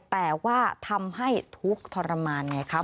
แต่ว่าทำให้ทุกข์ทรมานไงครับ